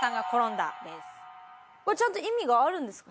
ちゃんと意味があるんですか？